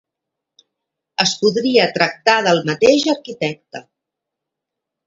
Es podria tractar del mateix arquitecte.